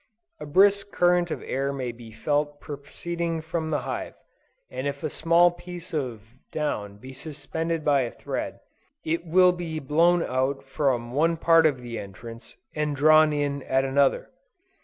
A brisk current of air may be felt proceeding from the hive, and if a small piece of down be suspended by a thread, it will be blown out from one part of the entrance, and drawn in at another.